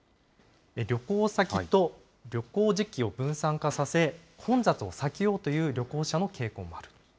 旅行先と旅行時期を分散化させ、混雑を避けようという旅行者の傾向もある。